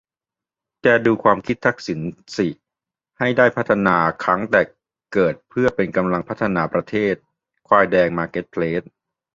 แกดูความคิดทักษิณสิให้ได้พัฒนาคั้งแต่เกิดเพื่อเป็นกำลังพัฒนาประเทศ ควายแดงมาร์เก็ตเพลส